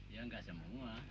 ya gak semua